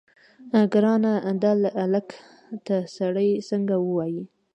ګرانه دا الک ته سړی څنګه ووايي.